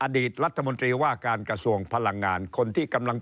อดีตรัฐมนตรีว่าการกระส่วนพลังงาน